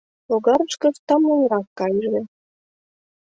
Логарышкышт тамлынрак кайыже.